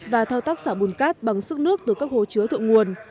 và thao tác xả bùn cát bằng sức nước từ các hồ chứa thượng nguồn